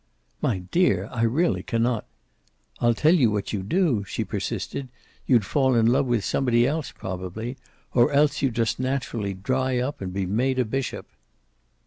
"My dear, I really can not " "I'll tell you what you'd do," she persisted. "You'd fall in love with somebody else, probably. Or else you'd just naturally dry up and be made a bishop."